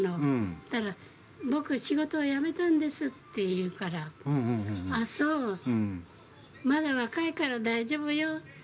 そしたら、僕、仕事辞めたんですって言うから、あ、そう、まだ若いから大丈夫よって。